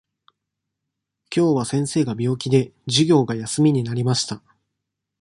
きょうは先生が病気で、授業が休みになりました。